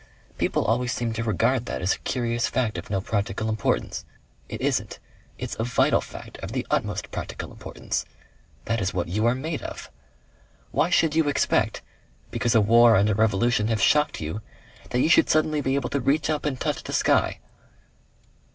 People always seem to regard that as a curious fact of no practical importance. It isn't: it's a vital fact of the utmost practical importance. That is what you are made of. Why should you expect because a war and a revolution have shocked you that you should suddenly be able to reach up and touch the sky?"